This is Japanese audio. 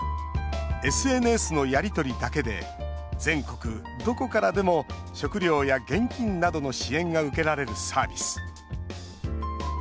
ＳＮＳのやり取りだけで全国どこからでも食料や現金などの支援が受けられるサービス。